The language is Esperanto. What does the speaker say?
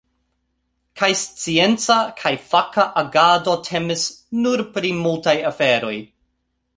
Kaj scienca kaj faka agado temis, nu pri multaj aferoj.